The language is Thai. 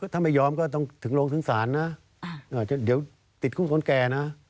ถ้าไม่ยอมก็ต้องถึงโรงถึงศาลนะเดี๋ยวติดคุกคนแก่นะ